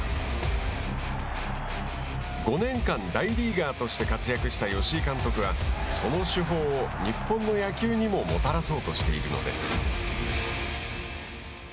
５年間大リーガーとして活躍した吉井監督はその手法を日本の野球にももたらそうとしているのです。